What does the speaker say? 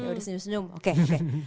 udah senyum senyum oke oke